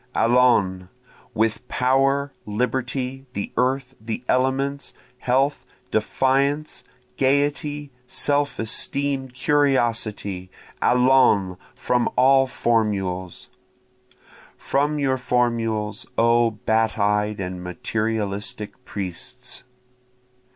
Allons! with power, liberty, the earth, the elements, Health, defiance, gayety, self esteem, curiosity; Allons! from all formules! From your formules, O bat eyed and materialistic priests.